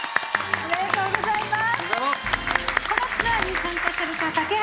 ありがとうございます。